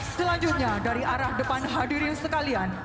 selanjutnya dari arah depan hadirin sekalian